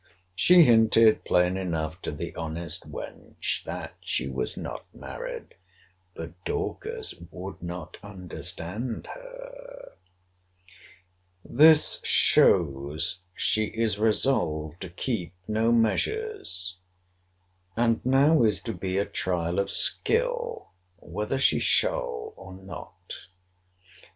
— She hinted plain enough to the honest wench, that she was not married. But Dorcas would not understand her. This shows she is resolved to keep no measures. And now is to be a trial of skill, whether she shall or not.